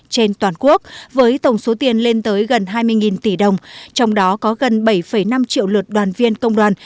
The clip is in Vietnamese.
trên toàn quốc với tổng số tiền lên tới gần hai mươi tỷ đồng trong đó có gần bảy năm triệu lượt đoàn viên công đoàn